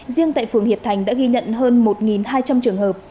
riêng tại phường hiệp thành đã ghi nhận hơn một hai trăm linh trường hợp